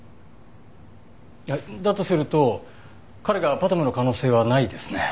だとすると彼がＰＡＴＭの可能性はないですね。